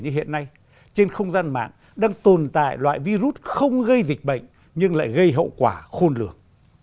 như hiện nay trên không gian mạng đang tồn tại loại virus không gây dịch bệnh nhưng lại gây hậu quả khôn lược